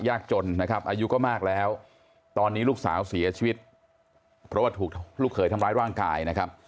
ยากจนนะครับอายุก็มากแล้วตอนนี้ลูกสาวเสียชีวิตเพราะว่าถูกลูกเขยทำร้ายร่างกายนะครับ